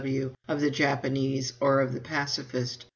W.W., of the Japanese, or of pacifists.